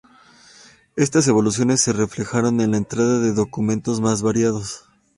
Estas evoluciones se reflejaron en la entrada de documentos más variados.